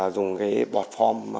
dùng bọt form